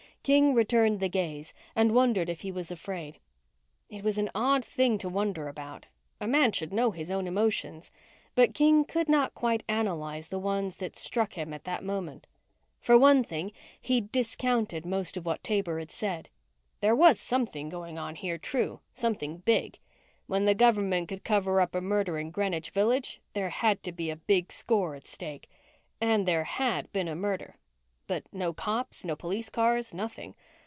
King returned the gaze and wondered if he was afraid. It was an odd thing to wonder about. A man should know his own emotions. But King could not quite analyze the ones that struck him at that moment. For one thing, he'd discounted most of what Taber had said. There was something going on here, true something big. When the government could cover up a murder in Greenwich Village, there had to be a big score at stake. And there had been a murder but no cops, no police cars, nothing.